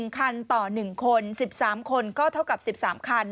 ๑คันต่อ๑คน๑๓คนก็เท่ากับ๑๓คัน